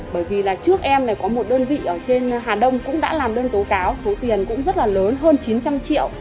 bởi vì là trước em này có một đơn vị ở trên hà đông cũng đã làm đơn tố cáo số tiền cũng rất là lớn hơn chín trăm linh triệu